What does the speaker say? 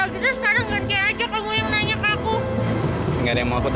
kamu juga cari duit